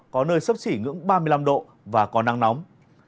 có nơi sấp xỉ ngưỡng ba mươi năm độ và có nắng nóng